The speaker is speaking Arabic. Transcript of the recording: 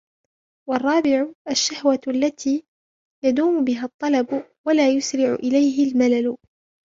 وَالرَّابِعُ الشَّهْوَةُ الَّتِي يَدُومُ بِهَا الطَّلَبُ وَلَا يُسْرِعُ إلَيْهِ الْمَلَلُ